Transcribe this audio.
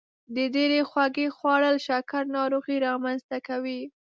د ډیرې خوږې خوړل شکر ناروغي رامنځته کوي.